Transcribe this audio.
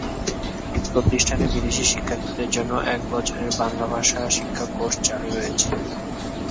এই প্রতিষ্ঠানে বিদেশি শিক্ষার্থীদের জন্য এক বছরের বাংলা ভাষা শিক্ষা কোর্স চালু রয়েছে।